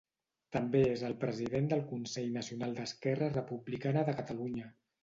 També és el president del consell nacional d'Esquerra Republicana de Catalunya.